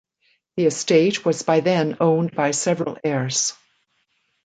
The estate was by then owned by several heirs.